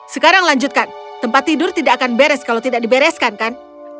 sekarang lanjutkan tempat tidur tidak akan beres kalau tidak dibereskan kan